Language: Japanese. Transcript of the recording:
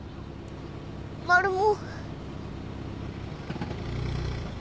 マルモ。